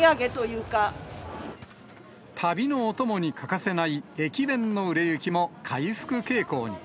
旅のお供に欠かせない駅弁の売れ行きも回復傾向に。